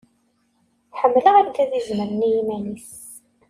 Ḥemmleɣ argaz izemren i yiman-is.